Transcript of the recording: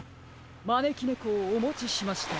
まねきねこをおもちしましたよ。